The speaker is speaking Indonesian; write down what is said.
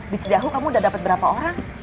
di cidahu kamu udah dapat berapa orang